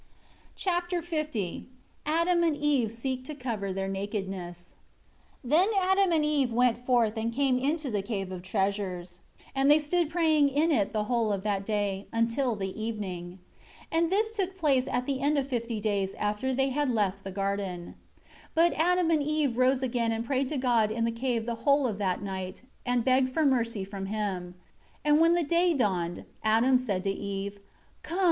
Chapter L Adam and Eve seek to cover their nakedness. 1 Then Adam and Eve went forth and came into the Cave of Treasures, and they stood praying in it the whole of that day, until the evening. 2 And this took place at the end of the fifty days after they had left the garden. 3 But Adam and Eve rose again and prayed to God in the cave the whole of that night, and begged for mercy from Him. 4 And when the day dawned, Adam said to Eve, "Come!